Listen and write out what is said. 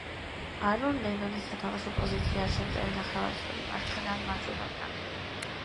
არონ ლენონის სათამაშო პოზიციაა შემტევი ნახევარმცველი, მარცხენა ან მარჯვენა ფლანგზე.